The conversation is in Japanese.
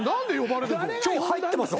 今日入ってます？